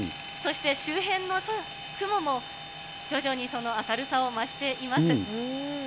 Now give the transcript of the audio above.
そして、周辺の雲も、徐々にその明るさを増しています。